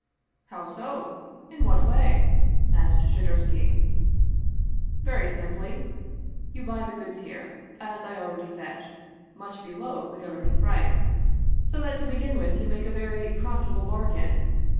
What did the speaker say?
" How so ? In what way ?" asked Shadursky. " Very simply. You buy the goods here, as I already said, much below the government price. So that to begin with you make a very profitable bargain.